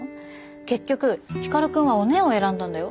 結局光くんはおねぇを選んだんだよ。